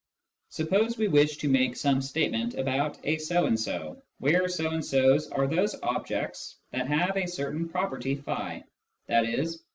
Suppose we wish to make some statement about " a so and so," where " so and so's " are those objects that have a certain property i.e.